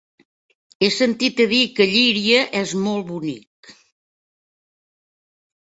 He sentit a dir que Llíria és molt bonic.